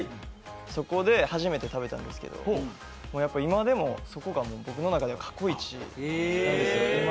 そこで初めて食べたんですけど今でも、そこが僕の中で過去一なんですよ。